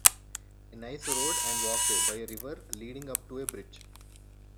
A nice road and walkway by a river leading up to a bridge.